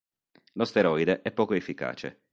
Lo steroide è poco efficace.